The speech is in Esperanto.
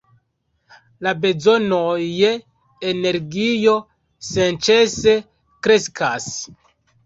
La bezonoj je energio senĉese kreskas.